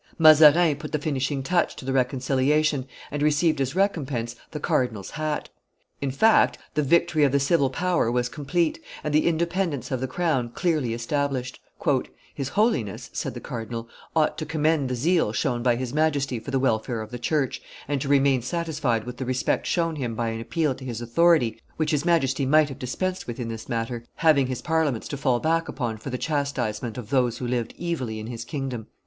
Mazarin put the finishing touch to the reconciliation, and received as recompense the cardinal's hat. In fact, the victory of the civil power was complete, and the independence of the crown clearly established. "His Holiness," said the cardinal, "ought to commend the zeal shown by his Majesty for the welfare of the church, and to remain satisfied with the respect shown him by an appeal to his authority which his Majesty might have dispensed with in this matter, having his Parliaments to fall back upon for the chastisement of those who lived evilly in his kingdom."